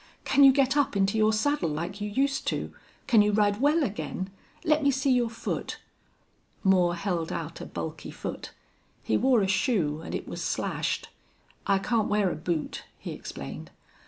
Can you get up into your saddle like you used to? Can you ride well again?... Let me see your foot." Moore held out a bulky foot. He wore a shoe, and it was slashed. "I can't wear a boot," he explained.